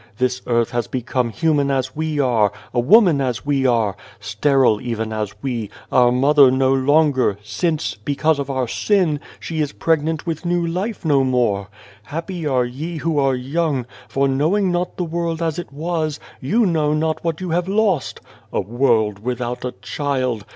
This earth has become human as we are, a woman as we are, sterile even as we, our Mother no longer, since, because of our sin, she is pregnant with new life no more. Happy are ye who are young, for knowing not the world as it was, you know not what you have lost. A world without a child